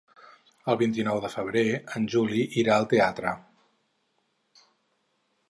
El vint-i-nou de febrer en Juli irà al teatre.